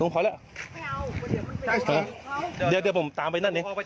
ลุงโขละเดี๋ยวผมตามไปนั่นเลย